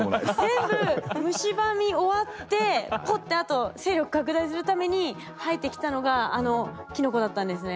全部むしばみ終わってポッてあと勢力拡大するために生えてきたのがあのキノコだったんですね。